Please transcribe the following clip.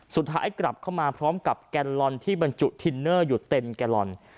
สุดท้ายกลับเข้ามาพร้อมกับแกนลอนที่บรรจุทินเนอร์อยู่เต็มแกลลอน